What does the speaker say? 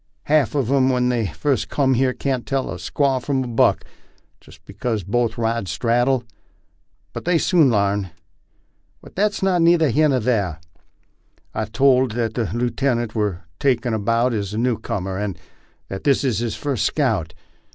Half uv 'em when they first cum here can't tell a squaw from a buck, just because both ride strad dle ; but they soon larn. But that's neither here nor thar. I'm told that the lootenint we're talkin' about is a new comer, and that this is his first scout.